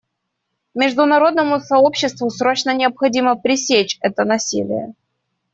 Международному сообществу срочно необходимо пресечь это насилие.